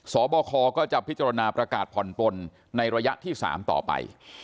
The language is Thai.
บคก็จะพิจารณาประกาศผ่อนปนในระยะที่๓ต่อไป